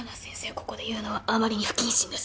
ここで言うのはあまりに不謹慎です